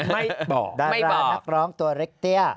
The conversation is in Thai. ไม่บอกดารานักร้องตัวเล็กเตี้ย